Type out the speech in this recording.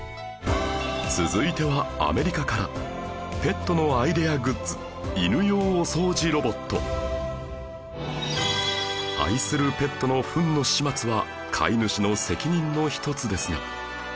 続いてはアメリカからペットのアイデアグッズ愛するペットのフンの始末は飼い主の責任の一つですが